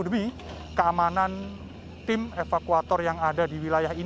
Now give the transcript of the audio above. dewi keamanan tim evakuator yang ada di wilayah ini